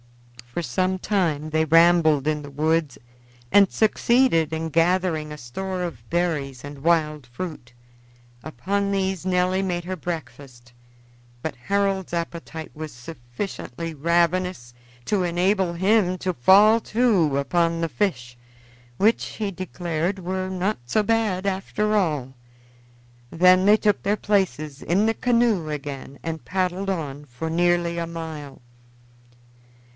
For some time they rambled in the woods and succeeded in gathering a store of berries and wild fruit. Upon these Nelly made her breakfast, but Harold's appetite was sufficiently ravenous to enable him to fall to upon the fish, which, he declared, were not so bad, after all. Then they took their places in the canoe again and paddled on for nearly a mile.